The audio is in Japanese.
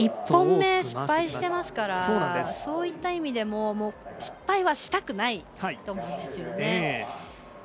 １本目失敗してますからそういった意味でも失敗はしたくないと思うんですね。